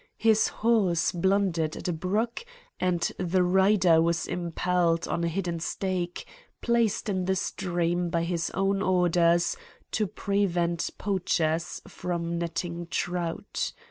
His horse blundered at a brook and the rider was impaled on a hidden stake, placed in the stream by his own orders to prevent poachers from netting trout.